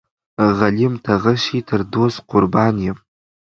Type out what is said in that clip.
غلیم ته غشی تر دوست قربان یم.